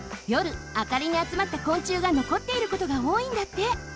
あかりにあつまった昆虫がのこっていることがおおいんだって。